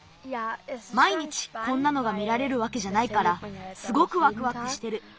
まいにちこんなのが見られるわけじゃないからすごくわくわくしてる。